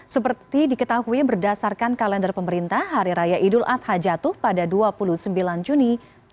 seperti diketahui berdasarkan kalender pemerintah hari raya idul adha jatuh pada dua puluh sembilan juni dua ribu dua puluh